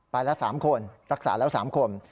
ไปแล้ว๓คนรักษาแล้ว๓คน